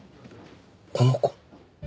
この子。